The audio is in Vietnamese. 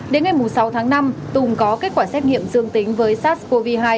đến ngày sáu tháng năm tùng có kết quả xét nghiệm dương tính với sars cov hai